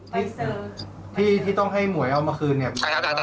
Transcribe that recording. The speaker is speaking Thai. แล้วที่ที่ต้องให้เหมาะเอามาคืนใช่สักคนครั้งคือครับใช่